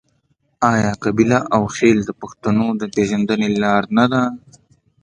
آیا قبیله او خیل د پښتنو د پیژندنې لار نه ده؟